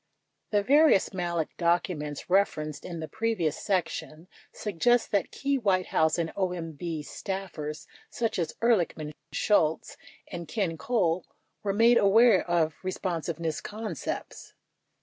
The various Malek documents referenced in the previous section suggest that key White House and OMB staffers such as Ehrlichman, Shultz, and Ken Cole were made aware of responsiveness concepts.